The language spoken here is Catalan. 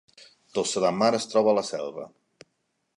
Tossa de Mar es troba a la Selva